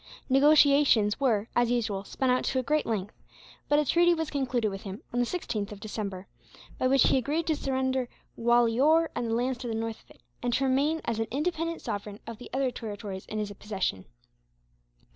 Negotiations were, as usual, spun out to a great length; but a treaty was concluded with him, on the 16th of December, by which he agreed to surrender Gwalior and the lands to the north of it, and to remain as an independent sovereign of the other territories in his possession.